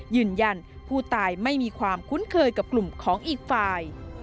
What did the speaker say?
ยืนยันผู้ตายไม่มีความคุ้นเคยกับกลุ่มของอีกฝ่าย